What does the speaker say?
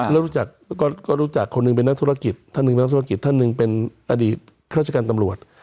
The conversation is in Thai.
แล้วรู้จักก็รู้จักคนนึงเป็นนักธุรกิจท่านนึงเป็นนักธุรกิจท่านนึงเป็นอดีตเคราะห์ชกันตำรวจ